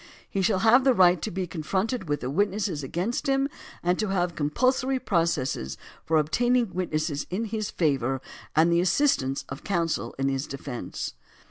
He shall have the right to be confronted with the witnesses against him and to have compulsory processes for obtaining witnesses in his favor and the assistance of counsel in his de fence.